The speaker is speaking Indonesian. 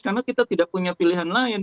karena kita tidak punya pilihan lain